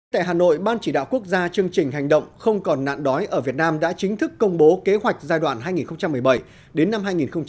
tại hà nội ban chỉ đạo quốc gia chương trình hành động không còn nạn đói ở việt nam đã chính thức công bố kế hoạch giai đoạn hai nghìn một mươi bảy đến năm hai nghìn hai mươi